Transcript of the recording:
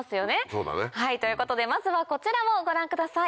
そうだね。ということでまずはこちらをご覧ください。